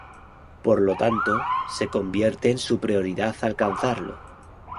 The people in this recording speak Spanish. Por lo tanto, se convierte en su prioridad alcanzarlo.